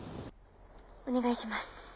「お願いします」